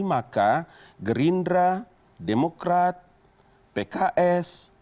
maka gerindra demokrat pks